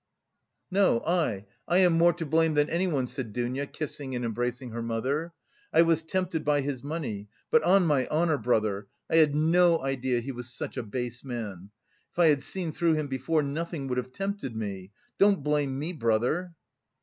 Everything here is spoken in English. "No, I, I am more to blame than anyone!" said Dounia, kissing and embracing her mother. "I was tempted by his money, but on my honour, brother, I had no idea he was such a base man. If I had seen through him before, nothing would have tempted me! Don't blame me, brother!"